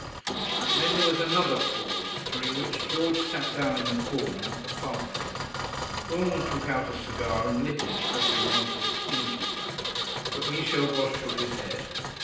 Then there was another pause, during which George sat down in a corner, apart from them. Urmand took out a cigar and lit it, offering one to the innkeeper. But Michel Voss shook his head.